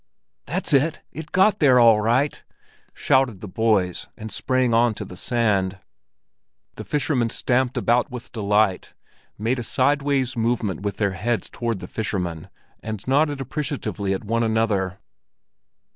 "That's it! It got there, all right!" shouted the boys, and sprang on to the sand. The fishermen stamped about with delight, made a sideways movement with their heads toward the foreman and nodded appreciatively at one another.